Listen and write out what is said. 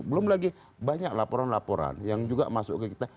belum lagi banyak laporan laporan yang juga masuk ke kita